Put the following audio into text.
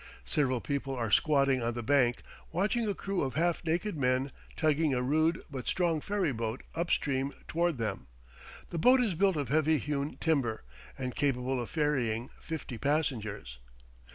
Several people are squatting on the bank watching a crew of half naked men tugging a rude but strong ferryboat up stream toward them. The boat is built of heavy hewn timber, and capable of ferrying fifty passengers.